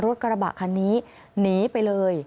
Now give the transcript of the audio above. รถกระบะคันนี้หนีไปเลย